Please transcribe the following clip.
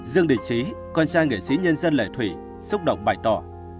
dương định trí con trai nghệ sĩ nhân dân lễ thủy xúc động bày tỏ